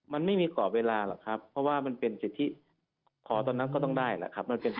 มันไม่มีกรอบเวลาหรอกครับเพราะว่ามันเป็นสิทธิขอตอนนั้นก็ต้องได้แหละครับ